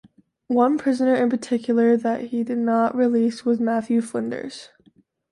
One prisoner in particular that he did not release was Matthew Flinders.